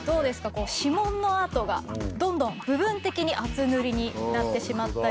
こう指紋のあとがどんどん部分的に厚塗りになってしまったり。